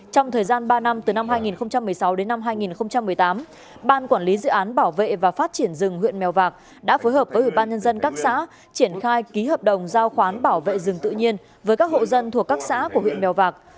trong thời gian ba năm từ năm hai nghìn một mươi sáu đến năm hai nghìn một mươi tám ban quản lý dự án bảo vệ và phát triển rừng huyện mèo vạc đã phối hợp với ủy ban nhân dân các xã triển khai ký hợp đồng giao khoán bảo vệ rừng tự nhiên với các hộ dân thuộc các xã của huyện mèo vạc